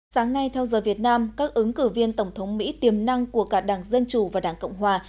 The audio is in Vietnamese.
sáng nay theo giờ việt nam các ứng cử viên tổng thống mỹ tiềm năng của cả đảng dân chủ và đảng cộng hòa